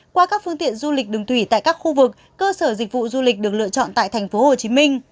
qua các phương tiện du lịch đường thủy tại các khu vực cơ sở dịch vụ du lịch được lựa chọn tại tp hcm